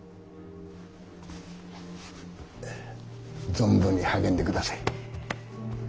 存分に励んでください。